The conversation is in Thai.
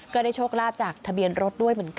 ก็ได้โชคลาภจากทะเบียนรถด้วยเหมือนกัน